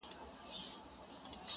د سلگيو ږغ يې ماته را رسيږي.